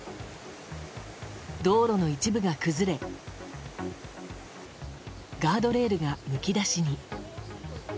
道路の一部が崩れガードレールがむき出しに。